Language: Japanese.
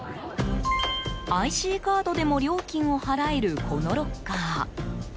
ＩＣカードでも料金を払えるこのロッカー。